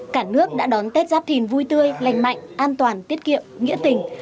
cả nước đã đón tết giáp thìn vui tươi lành mạnh an toàn tiết kiệm nghĩa tình